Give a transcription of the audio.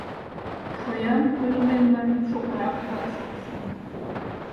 Шоям ойлымемлан шукырак пуат, шонышым.